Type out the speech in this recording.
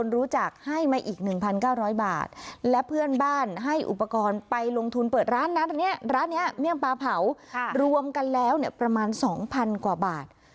ร้านนี้ร้านนี้เมี่ยงปลาเผารวมกันแล้วเนี่ยประมาณสองพันกว่าบาท